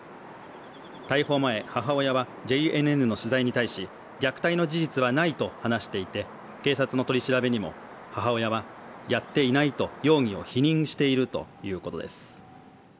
逮捕前、母親はＪＮＮの取材に対し虐待の事実はないと話していて、警察の取り調べにも母親はやっていないと容疑を否認しているということです。